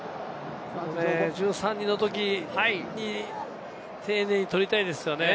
１３人のときに丁寧に取りたいですよね。